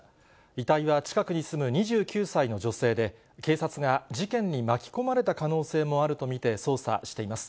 遺体は近くに住む２９歳の女性で、警察が事件に巻き込まれた可能性もあると見て捜査しています。